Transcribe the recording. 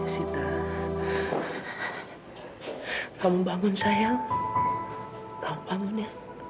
sita kamu bangun sayang kamu bangun ya